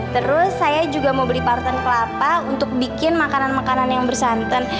terus saya juga mau beli partan kelapa untuk bikin makanan makanan yang bersantan